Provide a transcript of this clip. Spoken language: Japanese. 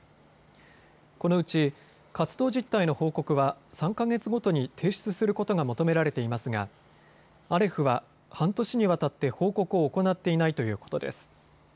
このうち活動実態の報告は３か月ごとに提出することが求められていますがアレフは半年にわたって報告を行っていないということです。